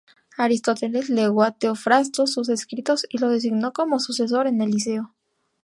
Aristóteles legó a Teofrasto sus escritos, y lo designó como sucesor en el Liceo.